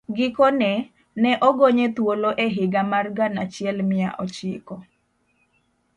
Gikone, ne ogonye thuolo e higa mar gana achiel mia ochiko